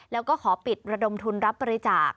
แล้วก็ขอปิดระดมทุนรับบริจาค